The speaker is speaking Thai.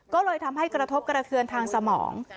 ก็เลยทำให้กระทบกระเทือนทางสมอง